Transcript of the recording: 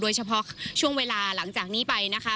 โดยเฉพาะช่วงเวลาหลังจากนี้ไปนะคะ